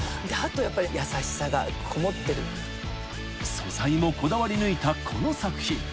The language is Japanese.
［素材もこだわり抜いたこの作品］